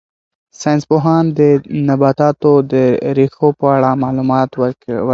ساینس پوهانو د نباتاتو د ریښو په اړه معلومات ورکړل.